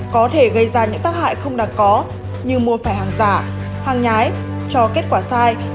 có thể gây ra những tác hại không đáng có như mua phải hàng giả hàng nhái cho kết quả sai